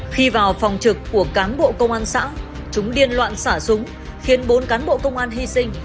khi vào phòng trực của cán bộ công an xã chúng điên loạn xả súng khiến bốn cán bộ công an hy sinh